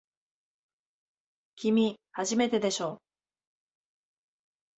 きみ、初めてでしょ。